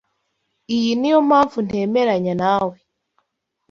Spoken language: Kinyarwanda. Iyi niyo mpamvu ntemeranya nawe.